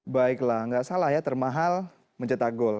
baiklah nggak salah ya termahal mencetak gol